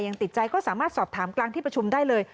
ยังติดใจก็สามารถสอบถามกลางที่ประชุมได้เลย